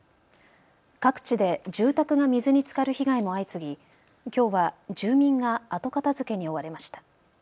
各地で住宅が水につかる被害も相次ぎきょうは住民が後片づけに追われました。